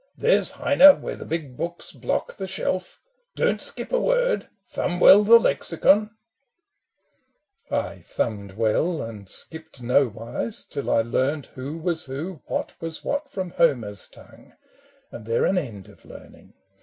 There's Heine, where the big books block the shelf: Don't skip a word, thumb well the Lexicon !" I thumbed well and skipped nowise till I learned Who was who, what was what, from Homer's tongue^ And there an end of learning.